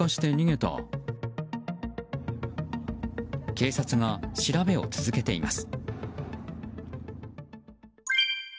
警察が調べを続けています。